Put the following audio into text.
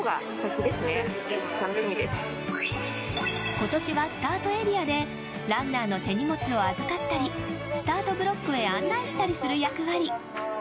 今年はスタートエリアでランナーの手荷物を預かったりスタートブロックへ案内したりする役割。